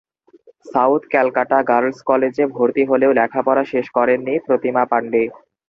South Calcutta girls কলেজে ভর্তি হলেও লেখাপড়া শেষ করেননি প্রতিমা পাণ্ডে।